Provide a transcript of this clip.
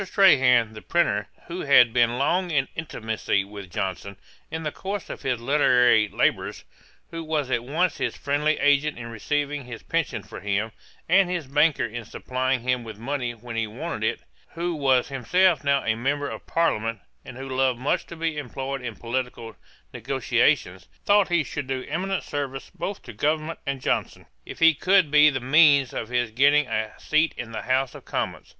Strahan, the printer, who had been long in intimacy with Johnson, in the course of his literary labours, who was at once his friendly agent in receiving his pension for him, and his banker in supplying him with money when he wanted it; who was himself now a Member of Parliament, and who loved much to be employed in political negociation; thought he should do eminent service both to government and Johnson, if he could be the means of his getting a seat in the House of Commons.